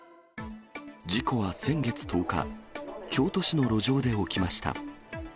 事故は先月１０日、京都市の路上で起きました。